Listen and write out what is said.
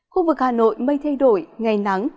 khu vực hà nội mây thay đổi ngày nắng